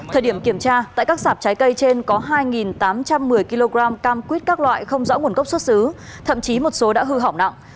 thời điểm kiểm tra tại các sạp trái cây trên có hai tám trăm một mươi kg cam quýt các loại không rõ nguồn gốc xuất xứ thậm chí một số đã hư hỏng nặng